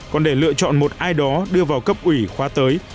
còn để lựa chọn một ai đó đưa vào cấp ủy khóa tới